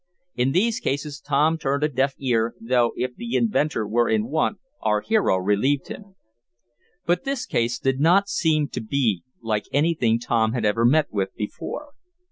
In these cases Tom turned a deaf ear, though if the inventor were in want our hero relieved him. But this case did not seem to be like anything Tom had ever met with before.